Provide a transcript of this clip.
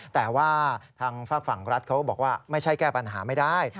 แต่ว่าทางฝากฝั่งรัฐเขาบอกว่าไม่ใช่แก้ปัญหาไม่ได้